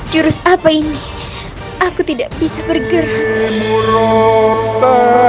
jurus apa ini aku tidak bisa bergerak